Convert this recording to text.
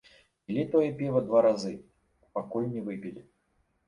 Пілі тое піва два разы, пакуль не выпілі.